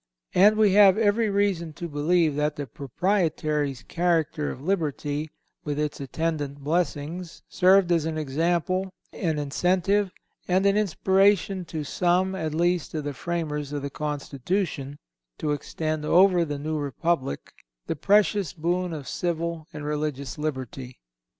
And we have every reason to believe that the Proprietary's charter of liberty with its attendant blessings, served as an example, an incentive, and an inspiration to some at least of the framers of the Constitution, to extend over the new Republic, the precious boon of civil and religious liberty.